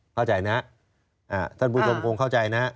เข้าใจนะท่านผู้ชมคงเข้าใจนะ